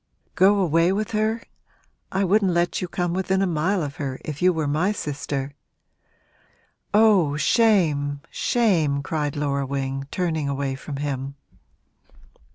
'Go away with her? I wouldn't let you come within a mile of her, if you were my sister!' 'Oh, shame, shame!' cried Laura Wing, turning away from him.